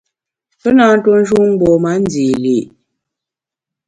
Pe nâ ntue njun mgbom-a ndî li’.